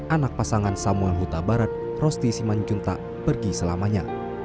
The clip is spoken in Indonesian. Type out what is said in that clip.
anak pasangan samuel huta barat rosti simanjuntak pergi selamanya